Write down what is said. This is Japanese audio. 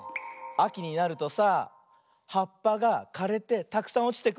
あきになるとさはっぱがかれてたくさんおちてくるよね。